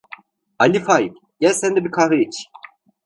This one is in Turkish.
Ali Faik, gel sen de bir kahve iç.